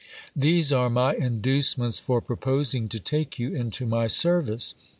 These are my inducements for proposing to take you into my service.